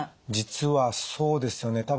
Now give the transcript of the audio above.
実はそうですよね。